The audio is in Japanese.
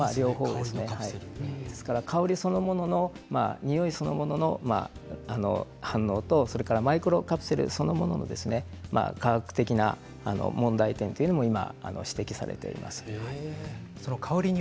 香りそのもののにおいそのものの反応とマイクロカプセルそのものの化学的な問題点というのも今、指摘されています。